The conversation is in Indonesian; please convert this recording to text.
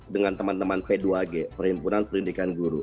dengan teman teman p dua g perhimpunan pendidikan guru